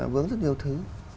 vướng rất nhiều thứ